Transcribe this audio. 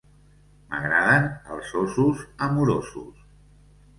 M'agraden els Ossos Amorosos.